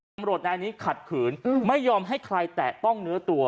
ตำรวจนายนี้ขัดขืนไม่ยอมให้ใครแตะต้องเนื้อตัว